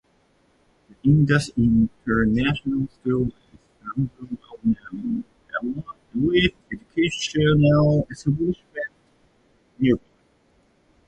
The Indus International School is another well known, elite educational establishment nearby.